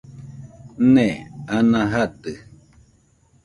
Nee, ana jadɨ